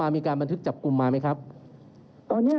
เรามีการปิดบันทึกจับกลุ่มเขาหรือหลังเกิดเหตุแล้วเนี่ย